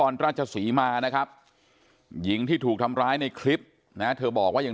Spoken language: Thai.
ราชศรีมานะครับหญิงที่ถูกทำร้ายในคลิปนะเธอบอกว่ายัง